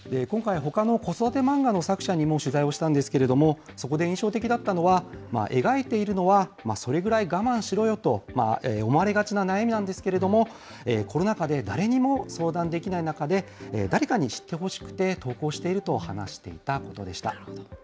今回、ほかの子育てマンガの作者にも取材をしたんですけれども、そこで印象的だったのは、描いているのは、それぐらい我慢しろよと思われがちな悩みなんですけれども、コロナ禍で誰にも相談できない中で、誰かに知ってほしくて投稿していると話していたことでした。